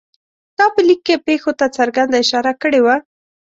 تا په لیک کې پېښو ته څرګنده اشاره کړې وه.